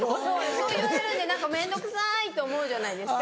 そう言われるんで面倒くさいって思うじゃないですか。